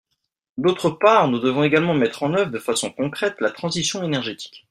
D’autre part, nous devons également mettre en œuvre de façon concrète la transition énergétique.